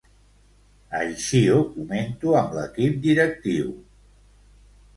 Així ho comento amb l'equip directiu.